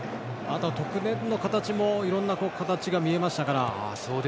得点の形もいろいろな形が見えましたから。